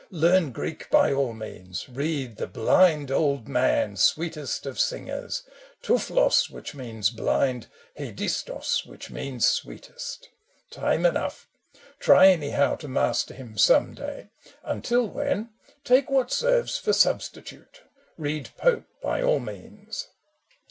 Learn Greek by all means, read the ' Blind Old Man, Sweetest of Singers '— tuphlos which means ' blind,' Hedistos which means ' sweetest.' Time enough I Try, anyhow, to master him some day ; Until when, take what serves for substitute, Read Pope, by all means